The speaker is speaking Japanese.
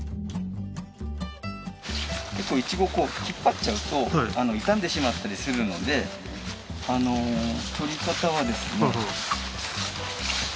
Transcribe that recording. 結構イチゴこう引っ張っちゃうと傷んでしまったりするので採り方はですね。